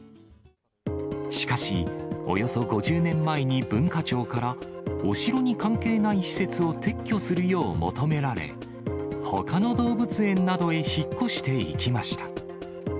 しかし、およそ５０年前に文化庁からお城に関係ない施設を撤去するよう求められ、ほかの動物園などへ引っ越していきました。